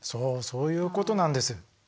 そういうことなんです。